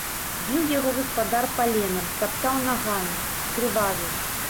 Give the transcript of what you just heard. Біў яго гаспадар паленам, таптаў нагамі, скрывавіў.